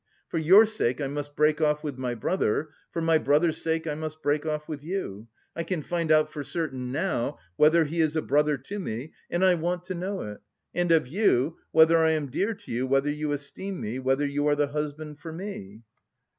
For your sake I must break off with my brother, for my brother's sake I must break off with you. I can find out for certain now whether he is a brother to me, and I want to know it; and of you, whether I am dear to you, whether you esteem me, whether you are the husband for me."